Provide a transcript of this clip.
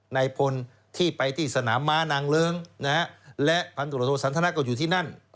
ในพลที่ไปที่สนามม้านางเลิ้งและพันธุรโทษสันทนาก็อยู่ที่นั่น